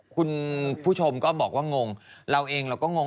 คุณผู้ชมก็บอกว่างงเราเองเราก็งง